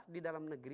di dalam negeri